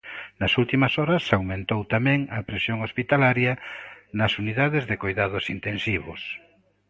Nas últimas horas aumentou tamén a presión hospitalaria nas unidades de coidados intensivos.